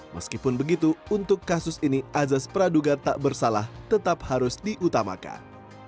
meskipun begitu untuk kasus ini azas praduga tak bersalah tetap harus diutamakan